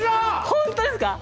本当ですか？